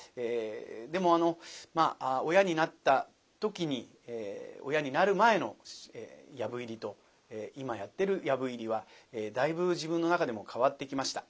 でも親になった時に親になる前の「藪入り」と今やってる「藪入り」はだいぶ自分の中でも変わってきました。